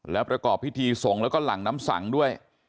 แล้วประกอบพิธีส่งแล้วก็หลังน้ำสังด้วย